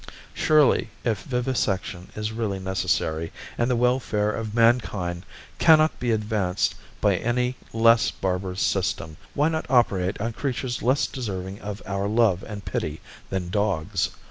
Surely if vivisection is really necessary, and the welfare of mankind cannot be advanced by any less barbarous system, why not operate on creatures less deserving of our love and pity than dogs?